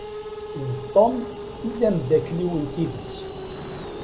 D Tom i d amdakel-iw n tidett.